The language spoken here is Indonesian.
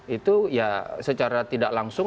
itu ya secara tidak langsung